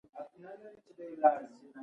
مهارت زده کړئ